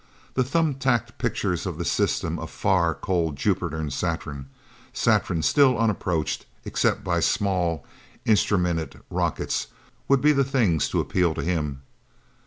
The thumbtacked pictures of the systems of far, cold Jupiter and Saturn Saturn still unapproached, except by small, instrumented rockets would be the things to appeal to him.